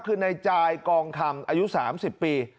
คือในจ่ายกองคำอายุ๓๐ปี